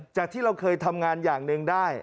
จากที่เราเคยทำงานอย่างหนึ่งได้